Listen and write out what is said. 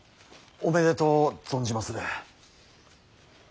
おめでとう存じまする。